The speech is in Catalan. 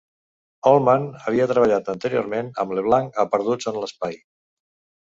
Oldman havia treballat anteriorment amb LeBlanc a "Perduts en l'espai".